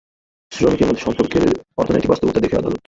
শ্রমিকের মধ্যে সম্পর্কের "অর্থনৈতিক বাস্তবতা" দেখে আদালত।